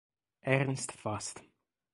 Ernst Fast